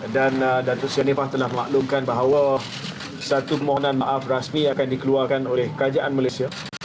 dan dato' sri aniefah telah memaklumkan bahwa satu permohonan maaf rasmi akan dikeluarkan oleh kerajaan malaysia